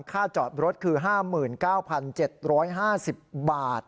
จอดรถคือ๕๙๗๕๐บาท